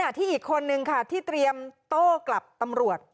ที่อีกคนนึงค่ะที่เตรียมโต้กลับตำรวจ